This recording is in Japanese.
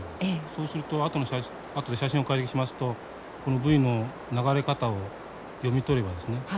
そうすると後で写真を解析しますとこのブイの流れ方を読み取ればですね